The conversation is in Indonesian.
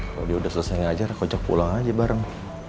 kalau dia udah selesai ngajar kocok pulang aja bareng